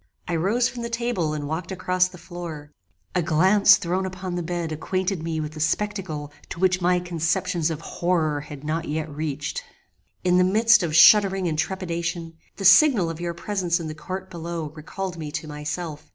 I rose from the table and walked across the floor. A glance thrown upon the bed acquainted me with a spectacle to which my conceptions of horror had not yet reached. "In the midst of shuddering and trepidation, the signal of your presence in the court below recalled me to myself.